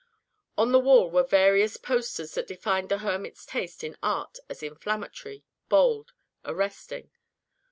On the wall were various posters that defined the hermit's taste in art as inflammatory, bold, arresting.